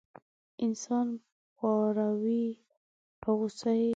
انسان پاروي او غوسه کوي یې.